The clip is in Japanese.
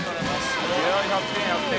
これは１００点１００点。